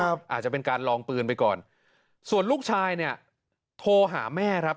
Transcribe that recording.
อาจจะเป็นการลองปืนไปก่อนส่วนลูกชายเนี่ยโทรหาแม่ครับ